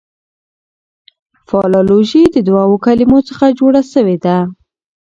فلالوژي د دوو کلمو څخه جوړه سوې ده.